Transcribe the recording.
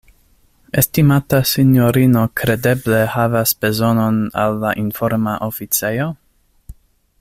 Estimata sinjorino kredeble havas bezonon al la informa oficejo?